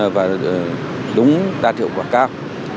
và đúng đạt hiệu quả cao